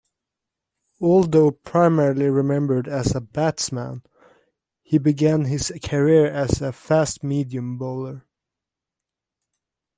Although primarily remembered as a batsman, he began his career as a fast-medium bowler.